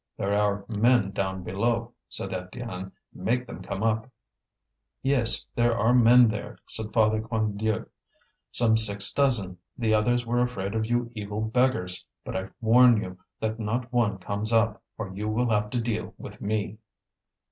"There are men down below," said Étienne. "Make them come up." "Yes, there are men there," said Father Quandieu, "some six dozen; the others were afraid of you evil beggars! But I warn you that not one comes up, or you will have to deal with me!"